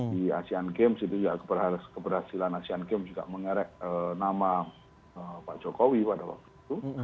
di asean games itu juga keberhasilan asean games juga mengerek nama pak jokowi pada waktu itu